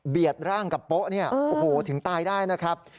ดร่างกับโป๊ะเนี่ยโอ้โหถึงตายได้นะครับ